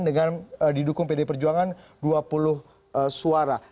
yang di dukung pd perjuangan dengan dua puluh suara